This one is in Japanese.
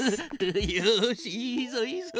よしいいぞいいぞ。